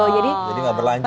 jadi gak berlanjut ya